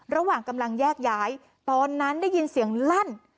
ระหว่างกำลังแยกย้ายตอนนั้นได้ยินเสียงลั่น